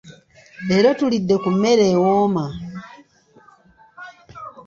Leero tulidde ku mmere ewooma.